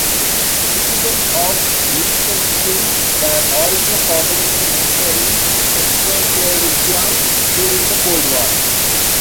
Citizens of Liechtenstein were also forbidden from entering Czechoslovakia during the Cold War.